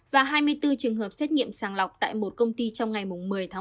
và hai mươi bốn trường hợp xét nghiệm sàng lọc tại một công ty trong ngày một mươi tháng một mươi một